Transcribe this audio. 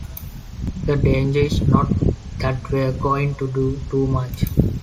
The danger is not that we're going to do too much.